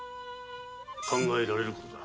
考えられる事だ。